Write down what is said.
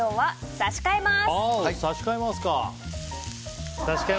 差し替えます！